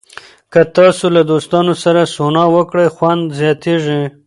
که تاسو له دوستانو سره سونا وکړئ، خوند زیاتېږي.